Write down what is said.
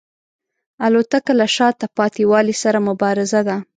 الوتکه له شاته پاتې والي سره مبارزه ده.